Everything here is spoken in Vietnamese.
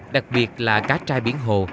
đặc biệt là cá trai biển hồ